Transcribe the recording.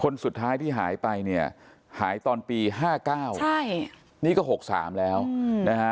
คนสุดท้ายที่หายไปเนี่ยหายตอนปี๕๙ใช่นี่ก็๖๓แล้วนะฮะ